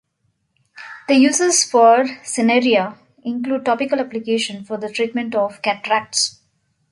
The uses for "Cineraria" include topical application for the treatment of cataracts.